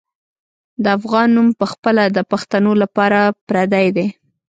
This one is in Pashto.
د افغان نوم پخپله د پښتنو لپاره پردی دی.